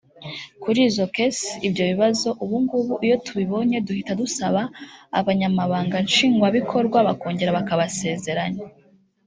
kuri izo case (ibyo bibazo) ubu ngubu iyo tuyibonye duhita dusaba abanyamabanga nshingwabikorwa bakongera bakabasezeranya